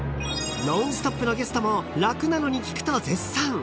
［『ノンストップ！』のゲストも楽なのに効くと絶賛］